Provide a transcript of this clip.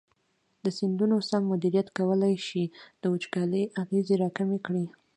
د سیندونو سم مدیریت کولی شي د وچکالۍ اغېزې راکمې کړي.